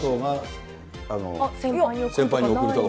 先輩に贈るとか？